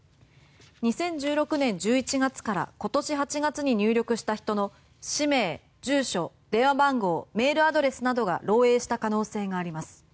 ２０１６年１１月から今年８月に入力した人の氏名住所、電話番号メールアドレスなどが漏えいした可能性があります。